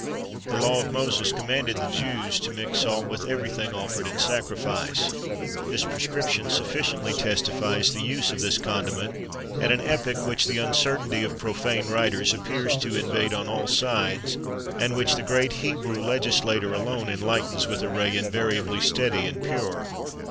The law of Moses commanded the Jews to mix salt with everything offered in sacrifice.[XXIII 2] This prescription sufficiently testifies the use of this condiment at an epoch which the uncertainty of profane writers appears to invade on all sides, and which the great Hebrew legislator alone enlightens with a ray invariably steady and pure.